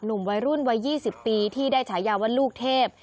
หนุ่มวัยรุ่นวัย๒๐ปีที่ได้ฉายาว่าลูกเทพ